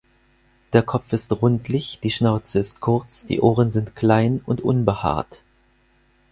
Der Kopf ist rundlich, die Schnauze ist kurz, die Ohren sind klein und unbehaart.